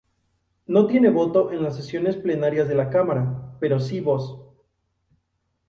No tiene voto en las sesiones plenarias de la Cámara, pero si voz.